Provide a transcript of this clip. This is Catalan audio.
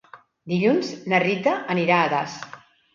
Dilluns na Rita anirà a Das.